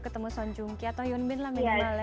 ketemu seonjunggi atau hyunbin lah minimalnya